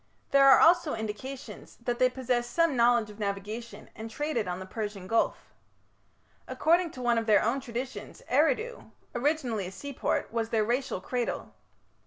There are also indications that they possessed some knowledge of navigation and traded on the Persian Gulf. According to one of their own traditions Eridu, originally a seaport, was their racial cradle.